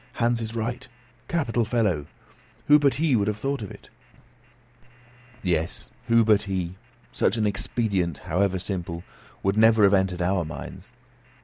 "Hans is right. Capital fellow! Who but he would have thought of it?" Yes; who but he? Such an expedient, however simple, would never have entered into our minds.